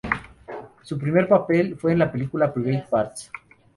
Su primer papel fue en la película "Private Parts".